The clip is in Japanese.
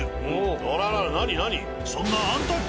あらら何何？